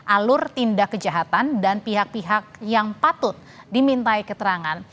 alur tindak kejahatan dan pihak pihak yang patut dimintai keterangan